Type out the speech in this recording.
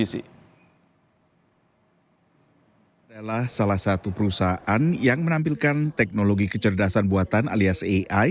adalah salah satu perusahaan yang menampilkan teknologi kecerdasan buatan alias ai